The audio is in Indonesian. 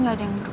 aku akan kirim